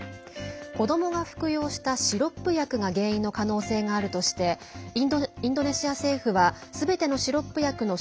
子どもが服用したシロップ薬が原因の可能性があるとしてインドネシア政府はすべてのシロップ薬の